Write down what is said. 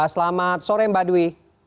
selamat sore mbak dwi